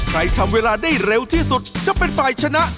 ใครทำเวลาได้เร็วที่สุดจะเป็นฝ่ายชนะ